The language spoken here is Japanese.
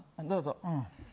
どうぞ。